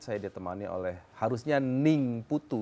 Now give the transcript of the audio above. saya ditemani oleh harusnya ning putu